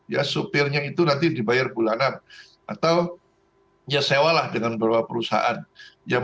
ya supirnya itu nanti dibayar bulanan atau ya sewa lah dengan beberapa perusahaan yang